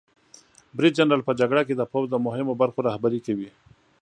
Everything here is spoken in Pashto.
برید جنرال په جګړه کې د پوځ د مهمو برخو رهبري کوي.